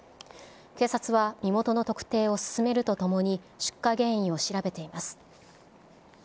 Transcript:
警察は身元の特定を進めるとともに、出火原因を調べています。